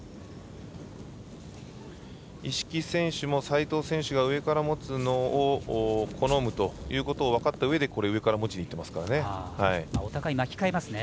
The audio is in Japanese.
一色選手も斉藤選手が上から持つのも好むということを分かったうえで上から持ちにいってますから。